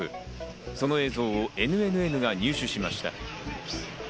その映像をＮＮＮが入手しました。